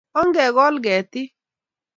Ongekol ketik